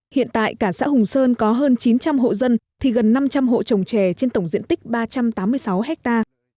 hiện tại cả xã hùng sơn có hơn chín trăm linh hộ dân thì gần năm trăm linh hộ trồng trè trên tổng diện tích ba trăm tám mươi sáu hectare